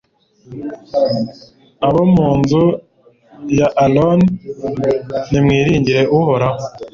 abo mu nzu ya aroni, nimwiringire uhoraho